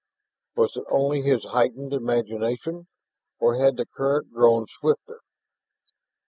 Was it only his heightened imagination, or had the current grown swifter?